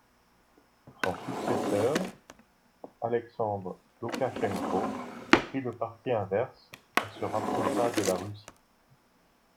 Son successeur, Alexandre Loukachenko, prit le parti inverse et se rapprocha de la Russie.